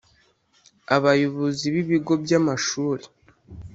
Abayobozi b ibigo by amashuri